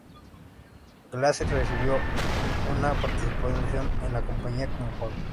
Glaser recibió una participación en la compañía como pago.